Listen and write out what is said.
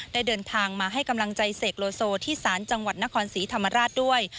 ได้เดินทางมาให้กำลังใจเสกโลโซที่สารจังหวัดนครศรีธรรมราชด้วย